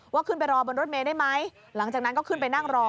ว่าขึ้นไปรอบนรถเมย์ได้ไหมหลังจากนั้นก็ขึ้นไปนั่งรอ